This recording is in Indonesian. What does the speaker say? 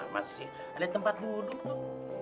masih ada tempat duduk tuh